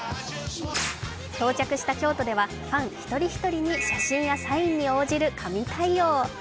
到着した京都では、ファン１人１人に写真やサインに応じる神対応。